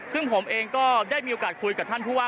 ซึ่งผมเองก็ได้มีโอกาสคุยกับท่านผู้ว่า